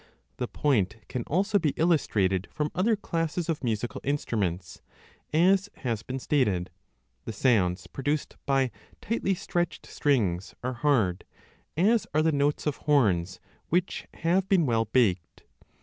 The point can also be illus trated from other classes of musical instruments ; 2 as has been stated, the sounds produced by tightly stretched strings are hard, as are the notes of horns which have been well baked.